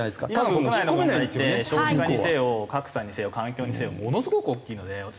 今の国内の問題って少子化にせよ格差にせよ環境にせよものすごく大きいので私